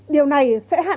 điều này sẽ hạn